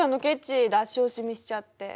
出し惜しみしちゃって。